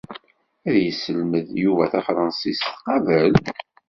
Ad yesselmed Yuba tafṛansit qabel?